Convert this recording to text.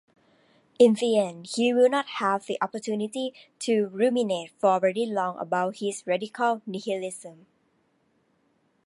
In the end, he will not have the opportunity to ruminate for very long about his radical nihilism.